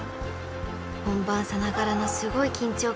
［本番さながらのすごい緊張感］